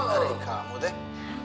adek kamu teh